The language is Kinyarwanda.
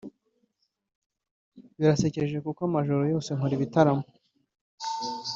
Birasekeje kuko amajoro yose nkoramo ibitaramo